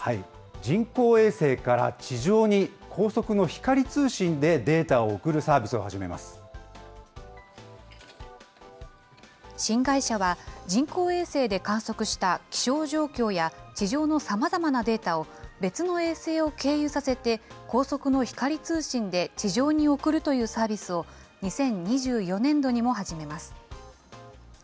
人工衛星から地上に高速の光通信でデータを送るサービスを始新会社は、人工衛星で観測した気象状況や地上のさまざまなデータを別の衛星を経由させて高速の光通信で地上に送るというサービスを、２０２４年度にも始めます。